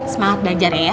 semangat belajar ya